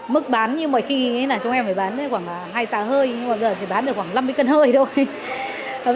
mức bán như mọi khi chúng em mới bán khoảng hai tà hơi nhưng bây giờ chỉ bán được khoảng năm mươi cân hơi thôi